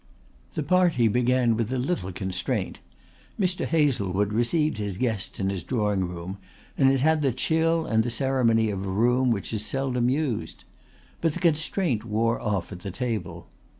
The party began with a little constraint. Mr. Hazlewood received his guests in his drawing room and it had the chill and the ceremony of a room which is seldom used. But the constraint wore off at the table.